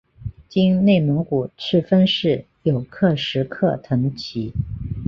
今内蒙古赤峰市有克什克腾旗。